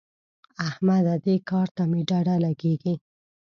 احمده! دې کار ته مې ډډه لګېږي.